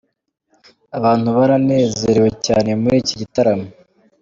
Abantu baranezerewe cyane muri iki gitaramo.